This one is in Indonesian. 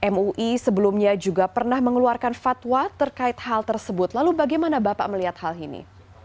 mui sebelumnya juga pernah mengeluarkan fatwa terkait hal tersebut lalu bagaimana bapak melihat hal ini